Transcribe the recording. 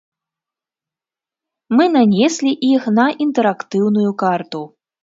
Мы нанеслі іх на інтэрактыўную карту.